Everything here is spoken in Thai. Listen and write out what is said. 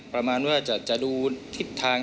ประมาณว่าจะดูทิศทาง